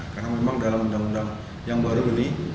karena memang dalam undang undang yang baru ini